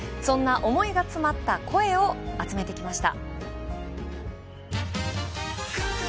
そんな思いが詰まった声を集めてきました。